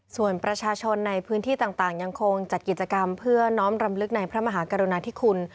ส่วนประชาชนในพื้นที่ต่างยังคงจัดกิจกรรมเพื่อน้อมรำลึกในพระมหากรุณาธิคุณ